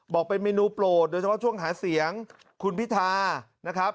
บอกเป็นเมนูโปรดโดยเฉพาะช่วงหาเสียงคุณพิธานะครับ